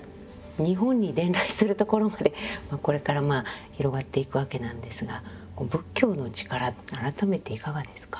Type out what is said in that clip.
日本に伝来するところまでこれから広がっていくわけなんですが仏教の力改めていかがですか？